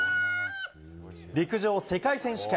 陸上世界選手権。